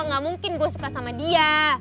gak mungkin gue suka sama dia